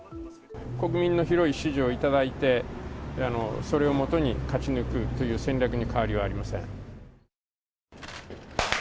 国民の広い支持を頂いて、それをもとに勝ち抜くという戦略に変わりはありません。